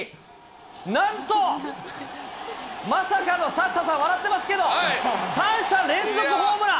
なんと、まさかのサッシャさん、笑ってますけど、３者連続ホームラン。